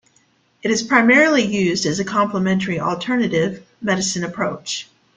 It is primarily used as a complementary alternative medicine approach.